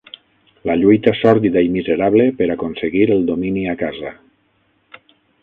La lluita sòrdida i miserable per aconseguir el domini a casa.